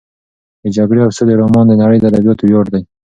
د جګړې او سولې رومان د نړۍ د ادبیاتو ویاړ دی.